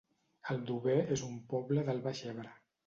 Aldover es un poble del Baix Ebre